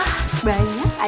terus belanja apa